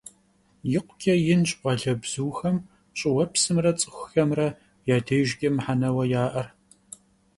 ИкъукӀэ инщ къуалэбзухэм щӀыуэпсымрэ цӀыхухэмрэ я дежкӀэ мыхьэнэуэ яӀэр.